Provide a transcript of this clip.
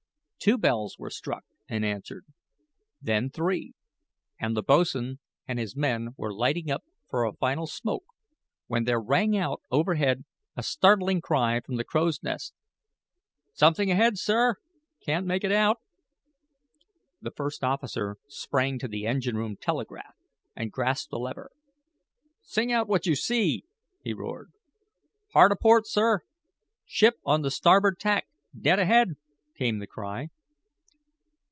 Two bells were struck and answered; then three, and the boatswain and his men were lighting up for a final smoke, when there rang out overhead a startling cry from the crow's nest: "Something ahead, sir can't make it out." The first officer sprang to the engine room telegraph and grasped the lever. "Sing out what you see," he roared. "Hard aport, sir ship on the starboard tack dead ahead," came the cry.